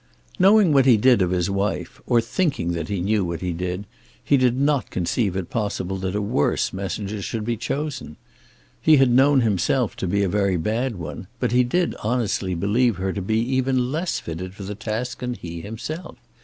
Knowing what he did of his wife, or thinking that he knew what he did, he did not conceive it possible that a worse messenger should be chosen. He had known himself to be a very bad one, but he did honestly believe her to be even less fitted for the task than he himself.